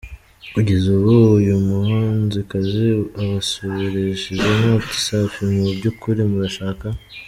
kugeza ubwo uyu muhanzikazi abasubirishijemo ati Safi? Mu byukuri murashaka.